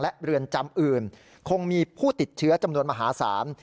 และเรือนจำอื่นคงมีผู้ติดเชื้อจำนวนมหาศาล